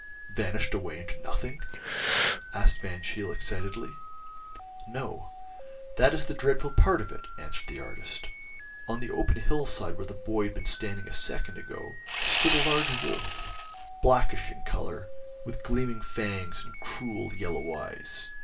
vanished away into nothing?" asked Van Cheele excitedly. "No; that is the dreadful part of it," answered the artist; "on the open hillside where the boy had been standing a second ago, stood a large wolf, blackish in colour, with gleaming fangs and cruel, yellow eyes.